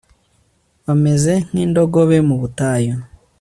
bameze nk'indogobe mu butayu